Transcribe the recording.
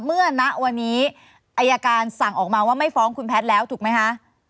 ณวันนี้อายการสั่งออกมาว่าไม่ฟ้องคุณแพทย์แล้วถูกไหมคะ